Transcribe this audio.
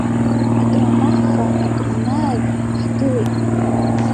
Акранаҳфа-акранаажә ҳгылеит.